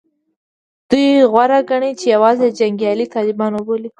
دوی غوره ګڼي چې یوازې جنګیالي طالبان وبولي